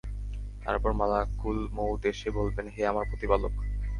তারপর মালাকুল মউত এসে বলবেন, হে আমার প্রতিপালক!